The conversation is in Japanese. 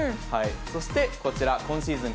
そして、こちら、今シーズン